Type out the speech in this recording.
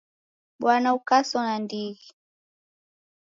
Bwana ukaso nandighi!